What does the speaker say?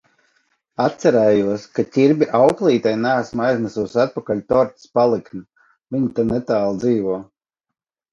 Atcerējos, ka Ķirbja auklītei neesmu aiznesusi atpakaļ tortes paliktni. Viņa te netālu dzīvo.